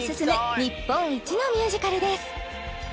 日本一のミュージカルです